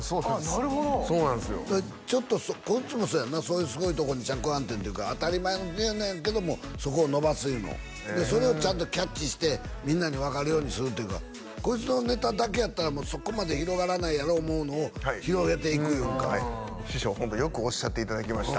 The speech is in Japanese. なるほどちょっとこいつもそうやんなそういうすごいところに着眼点というか当たり前やねんけどもそこを伸ばすいうのそれをちゃんとキャッチしてみんなに分かるようにするっていうかこいつのネタだけやったらそこまで広がらないやろ思うのを広げていくいうんかはい師匠ホントよくおっしゃっていただきました